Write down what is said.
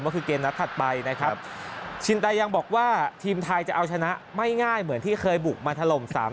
ก็คือเกมนัดถัดไปนะครับชินตายังบอกว่าทีมไทยจะเอาชนะไม่ง่ายเหมือนที่เคยบุกมาถล่ม๓๐